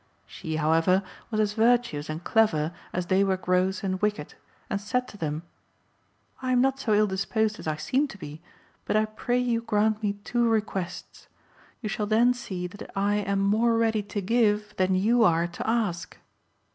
She, however, was as virtuous and clever as they were gross and wicked, and said to them "I am not so ill disposed as I seem to be, but I pray you grant me two requests. You shall then see that I am more ready to give than you are to ask."